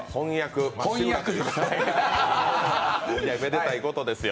本厄、めでたいことですよ